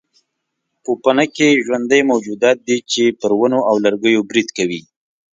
پوپنکي ژوندي موجودات دي چې پر ونو او لرګیو برید کوي.